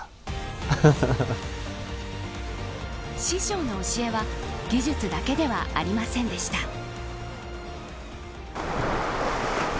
師匠の教えは技術だけではありませんでした。